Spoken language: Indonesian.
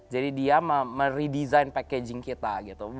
jadi dia meredesign packaging kita gitu